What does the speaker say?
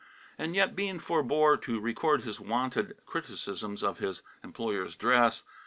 And yet Bean forebore to record his wonted criticisms of his employer's dress.